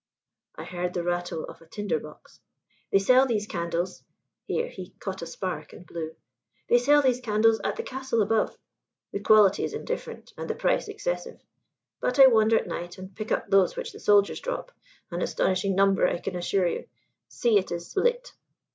I heard the rattle of a tinder box. "They sell these candles" here he caught a spark and blew "they sell these candles at the castle above. The quality is indifferent and the price excessive; but I wander at night and pick up those which the soldiers drop an astonishing number, I can assure you. See, it is lit!"